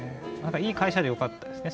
いい会社でよかったです。